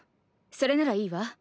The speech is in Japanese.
それならいいわ。